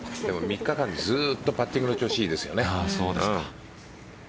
３日間、ずっとパッティングの調子いいですよね。